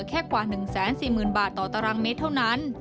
แค่กว่า๑๔๐๐๐บาทต่อตารางเมตรเท่านั้น